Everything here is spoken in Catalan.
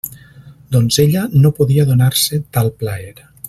Doncs ella no podia donar-se tal plaer.